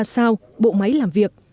sau bộ máy làm việc